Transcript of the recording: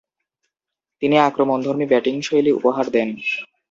তিনি আক্রমণধর্মী ব্যাটিংশৈলী উপহার দেন।